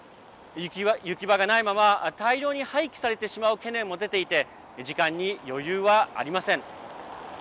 行き場がないまま大量に廃棄されてしまう懸念も出ていて時間に余裕はありません。